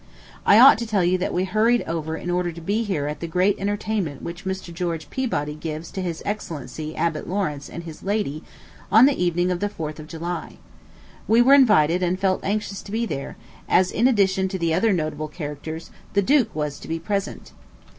I ought to tell you that we hurried over in order to be here at the great entertainment which Mr. George Peabody gives to his excellency Abbott Lawrence and his lady, on the evening of the 4th of July. We were invited, and felt anxious to be there; as, in addition to the other notable characters, "the duke" was to be present.